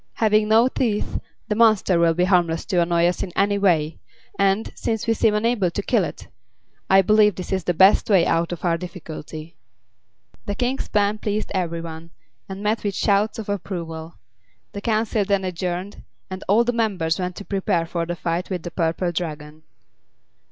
Having no teeth, the monster will be harmless to annoy us in any way; and, since we seem unable to kill it, I believe this is the best way out of our difficulty." The King's plan pleased every one, and met with shouts of approval. The council then adjourned, and all the members went to prepare for the fight with the Purple Dragon.